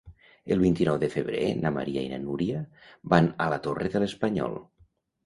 El vint-i-nou de febrer na Maria i na Núria van a la Torre de l'Espanyol.